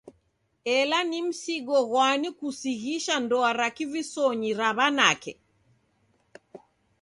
Ela ni msigo ghwani kusighisha ndoa ra kivisonyi ra w'anake?